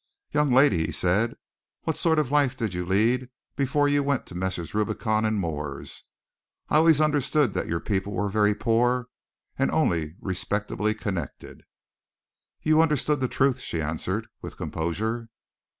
"Young lady," he said, "what sort of a life did you lead before you went to Messrs. Rubicon & Moore's? I always understood that your people were very poor, and only respectably connected." "You understood the truth," she answered, with composure.